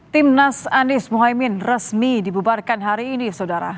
timnas anies mohaimin resmi dibubarkan hari ini saudara